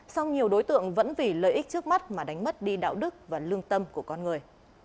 song nhiều đối tượng vẫn vì lợi ích trước mắt mà đánh mất đi đạo đức và lương tâm của con người